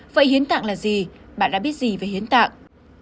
vậy hiến tạng là gì bạn đã biết gì về hiến tạng